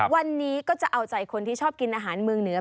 วันนี้ก็จะเอาใจคนที่ชอบกินอาหารเมืองเหนือ